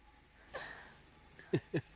ハハハ！